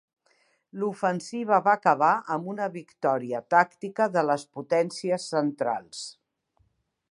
L'ofensiva va acabar amb una victòria tàctica de les Potències Centrals.